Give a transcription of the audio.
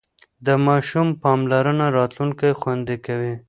د ماشوم پاملرنه راتلونکی خوندي کوي.